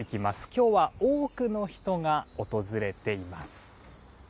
今日は多くの人が訪れています。